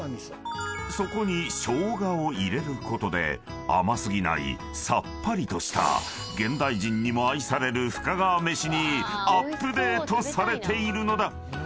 ［そこに生姜を入れることで甘過ぎないさっぱりとした現代人にも愛される深川めしにアップデートされているのだ］